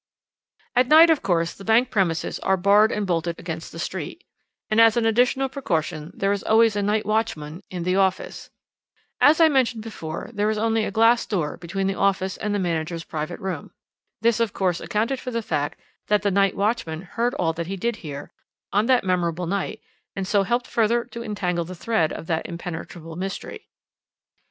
"At night, of course, the bank premises are barred and bolted against the street, and as an additional precaution there is always a night watchman in the office. As I mentioned before, there is only a glass door between the office and the manager's private room. This, of course, accounted for the fact that the night watchman heard all that he did hear, on that memorable night, and so helped further to entangle the thread of that impenetrable mystery.